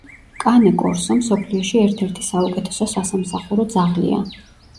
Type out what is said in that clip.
კანე კორსო მსოფლიოში ერთ-ერთი საუკეთესო სასამსახურო ძაღლია.